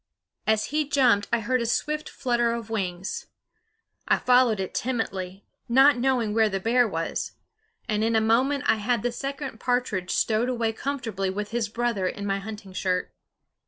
As he jumped I heard a swift flutter of wings. I followed it timidly, not knowing where the bear was, and in a moment I had the second partridge stowed away comfortably with his brother in my hunting shirt.